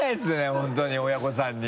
本当に親御さんに。